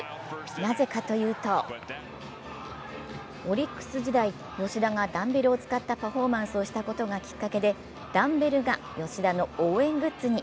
なぜかというと、オリックス時代、吉田がダンベルを使ったパフォーマンスをしたことがきっかけでダンベルが吉田の応援グッズに。